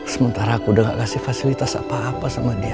sementara aku udah gak kasih fasilitas apa apa sama dia